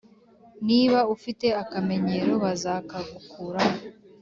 niba ufite akamenyero bazakagukuruma